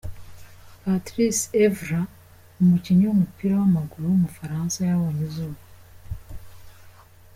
Patrice Evra, umukinnyi w’umupira w’amaguru w’umufaransa yabonye izuba.